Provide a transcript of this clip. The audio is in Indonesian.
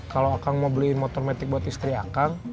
kalau akang mau beli motor metik buat istri akang